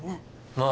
まあ